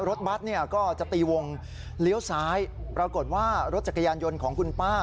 รถบัตรเนี่ยก็จะตีวงเลี้ยวซ้ายปรากฏว่ารถจักรยานยนต์ของคุณป้า